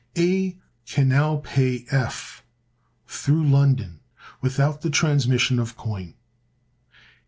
A can now pay F through London without the transmission of coin.